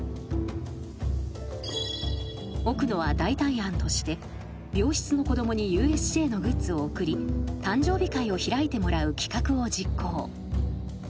［奥野は代替案として病室の子供にＵＳＪのグッズを贈り誕生日会を開いてもらう企画を実行］